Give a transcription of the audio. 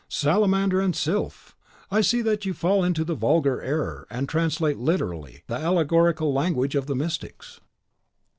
'" "Salamander and Sylph! I see that you fall into the vulgar error, and translate literally the allegorical language of the mystics."